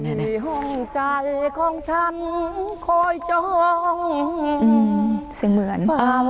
เสียงเหมือน